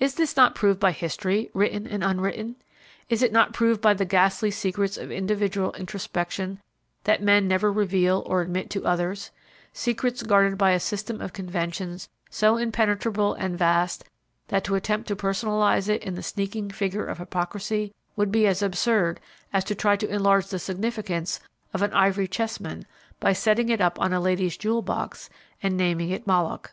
Is this not proved by history, written and unwritten? Is it not proved by the ghastly secrets of individual introspection that men never reveal or admit to others; secrets guarded by a system of conventions so impenetrable and vast that to attempt to personalize it in the sneaking figure of Hypocrisy would be as absurd as to try to enlarge the significance of an ivory chessman by setting it up on a lady's jewel box and naming it Moloch.